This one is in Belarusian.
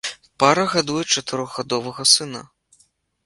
Пара гадуе чатырохгадовага сына.